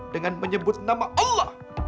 dengan menyebut nama allah